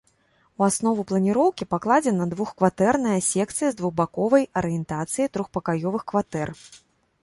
У аснову планіроўкі пакладзена двухкватэрная секцыя з двухбаковай арыентацыяй трохпакаёвых кватэр.